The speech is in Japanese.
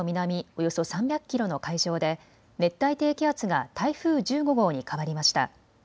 およそ３００キロの海上で熱帯低気圧が台風１５号に変わりました。